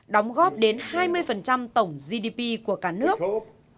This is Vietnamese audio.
đóng góp đến hai mươi tổng gdp của các hợp tác xã